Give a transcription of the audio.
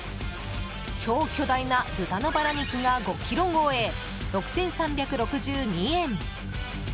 超巨大な豚のバラ肉が５ｋｇ超え６３６２円。